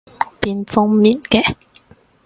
邊方面嘅？